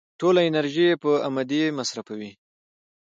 ټوله انرژي يې په امدې مصرفېږي.